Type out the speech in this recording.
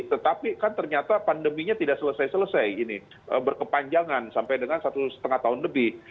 tetapi kan ternyata pandeminya tidak selesai selesai ini berkepanjangan sampai dengan satu setengah tahun lebih